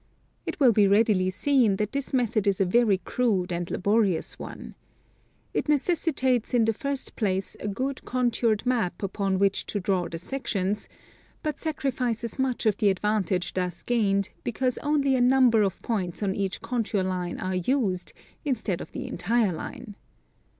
It will be readily seen that this method is a very crude and laborious one. It necessitates in the first place a good contoured map upon which to draw the sections, but sacrifices much of the advantage thus gained because only a number of points on each contour line are used, instead of the entire line.